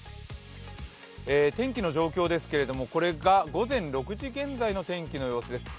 天気の状況ですけれども午前６時現在の様子です。